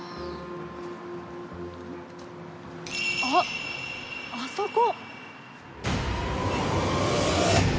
あっあそこ！